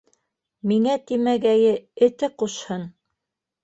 — Миңә тимәгәйе, эте ҡушһын!